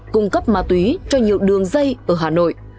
cung cấp ma túy cho nhiều đường dây ở hà nội